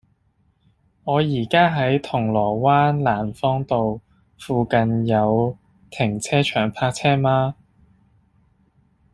我依家喺銅鑼灣蘭芳道，附近有停車場泊車嗎